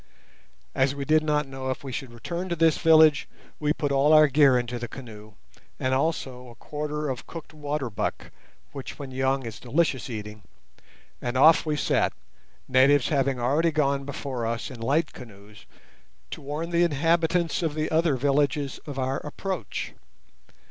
As we did not know if we should return to this village, we put all our gear into the canoe, and also a quarter of cooked water buck, which when young is delicious eating, and off we set, natives having already gone before us in light canoes to warn the inhabitants of the other villages of our approach.